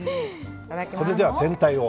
それでは全体を。